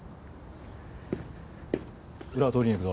裏を取りに行くぞ。